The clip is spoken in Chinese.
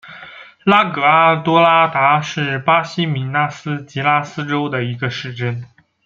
拉戈阿多拉达是巴西米纳斯吉拉斯州的一个市镇。